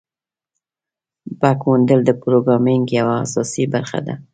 بګ موندل د پروګرامینګ یوه اساسي برخه ده.